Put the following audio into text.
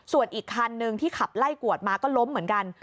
ส่วนอีกคันนึงที่ขับไล่กวดมาก็ล้มเหมือนกัน